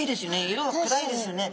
色が暗いですよね。